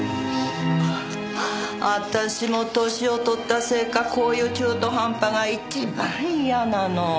私も年をとったせいかこういう中途半端が一番嫌なの。